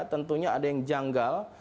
tentunya ada yang janggal